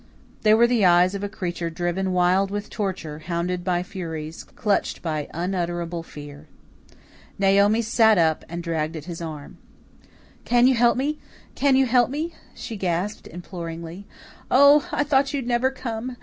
They were the eyes of a creature driven wild with torture, hounded by furies, clutched by unutterable fear. Naomi sat up and dragged at his arm. "Can you help me? Can you help me?" she gasped imploringly. "Oh, I thought you'd never come!